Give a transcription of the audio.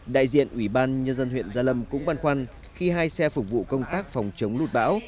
đại diện ủy ban nhân dân huyện gia lâm cũng băn khoăn khi hai xe phục vụ công tác phòng chống lụt bão